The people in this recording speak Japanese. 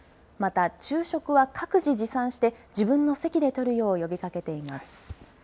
また、昼食は各自持参して、自分の席でとるよう呼びかけています。